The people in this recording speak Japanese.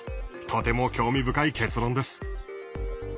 とても興味深い結論です。